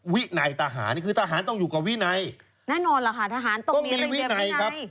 วินัยตาหารนี่คือตาหารต้องอยู่กับวินัยแน่นอนแหละค่ะต้องมีวินัยครับ